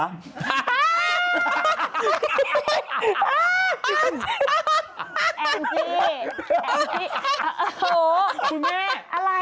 แองจี้โอ้โฮคุณแม่